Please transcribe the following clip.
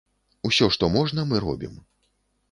Усё, што можна, мы робім.